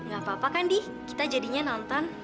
gapapa kan di kita jadinya nonton